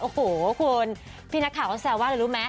โอ้โหคุณพี่นักข่าวเขาแซวว่าอะไรรู้ไหม